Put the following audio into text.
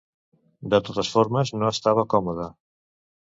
De totes formes no estava còmode.